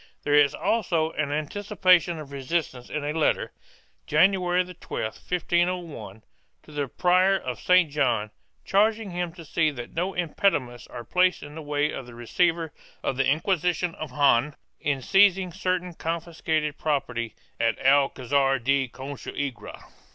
There is also an anticipa tion of resistance in a letter, Janary 12, 1501, to the Prior of St. John, charging him to see that no impediments are placed in the way of the receiver of the Inquisition of Jaen in seizing certain confiscated property at Alcazar de Consuegra.